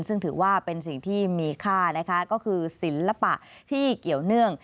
ซึ่งถือว่าเป็นสิ่งที่มีค่านะคะก็คือศิลปะที่เกี่ยวเนื่อง